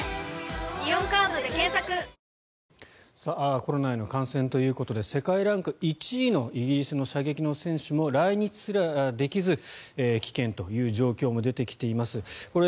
コロナへの感染ということで世界ランク１位のイギリスの射撃の選手も来日できず、棄権という状況も出てきています。